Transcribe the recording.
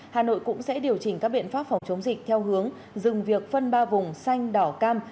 hà nội cũng sẽ điều chỉnh các biện pháp phòng chống dịch theo hướng dừng việc phân ba vùng xanh đỏ cam